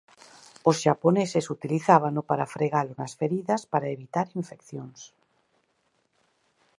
Os xaponeses utilizábano para fregalo nas feridas para evitar infeccións.